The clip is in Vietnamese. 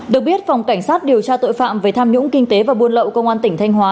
được biết phòng cảnh sát điều tra tội phạm về tham nhũng kinh tế và buôn lậu công an tỉnh thanh hóa